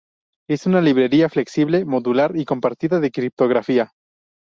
Es una librería flexible, modular y compartida de criptografía.